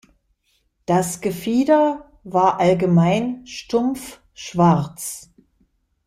Das Gefieder war allgemein stumpf schwarz.